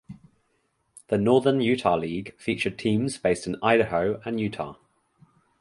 The Northern Utah League featured teams based in Idaho and Utah.